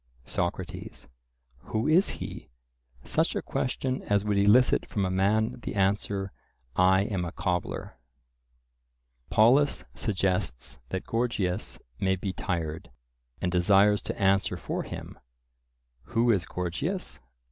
SOCRATES: Who is he?—such a question as would elicit from a man the answer, "I am a cobbler." Polus suggests that Gorgias may be tired, and desires to answer for him. "Who is Gorgias?"